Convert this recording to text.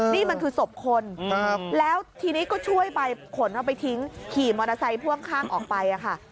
นี่มันคือศพคนแล้วทีนี้ก็ช่วยไปขนเอาไปทิ้งขี่มอเตอร์ไซค์พ่วงข้างออกไปค่ะ